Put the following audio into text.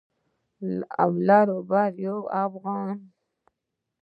لر او بر يو افغان.